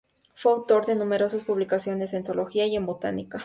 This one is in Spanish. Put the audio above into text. Fue autor de numerosas publicaciones en zoología y en botánica.